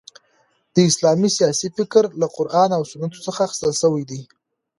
د اسلامی سیاسي فکر له قران او سنتو څخه اخیستل سوی دي.